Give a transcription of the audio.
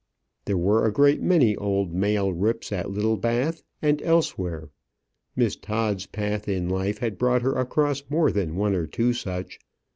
There were a great many old male rips at Littlebath and elsewhere. Miss Todd's path in life had brought her across more than one or two such.